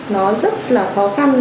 nó rất là khó khăn